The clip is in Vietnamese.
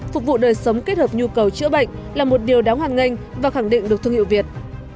phục vụ đời sống kết hợp nhu cầu chữa bệnh là một điều đáng hoan nghênh và khẳng định được thương hiệu việt